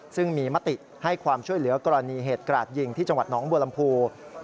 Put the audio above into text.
ซึ่งมีมติให้ความช่วยเหลือกรณีเหตุกราดยิงที่จังหวัดหนองบัวลำพู